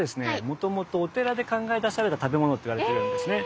もともとお寺で考え出された食べ物といわれているんですね。